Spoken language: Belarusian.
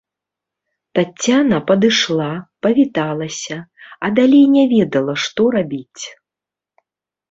Таццяна падышла, павіталася, а далей не ведала, што рабіць.